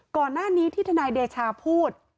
ก่อนหน้านี้ที่ทนายเดชาพูด